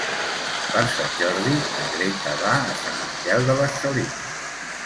Per Sant Jordi na Greta va a Sant Miquel de les Salines.